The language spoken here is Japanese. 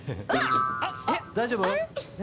大丈夫？